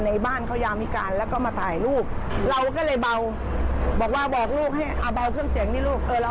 ที่วันเราไปว่าเขาแล้วไปดันเขาแล้วแฟนไปว่าเขาเขาจับปืนนะ